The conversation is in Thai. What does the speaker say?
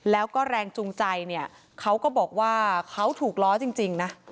แล้วก็แรงจูงใจเนี่ยเขาก็บอกว่าเขาถูกล้อจริงนะ